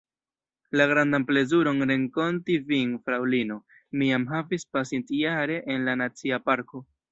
La grandan plezuron renkonti vin, fraŭlino, mi jam havis pasintjare en la Nacia Parko.